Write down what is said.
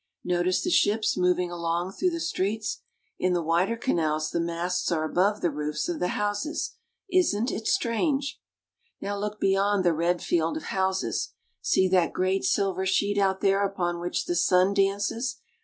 Notice the ships moving along through the streets ; in the wider canals the masts are above the roofs of the houses. Isn't it strange ? Now look beyond the red field of houses. See that great silver sheet out there upon which the sun dances.